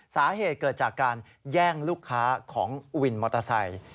สาเหตุเกิดจากการแย่งลูกค้าของวินมอเตอร์ไซค์